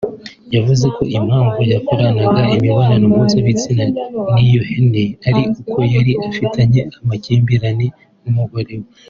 yavuze ko impamvu yakoranaga imibonano mpuzabitsina n’iyo hene ari uko yari afitanye amakimbirane n’umugore we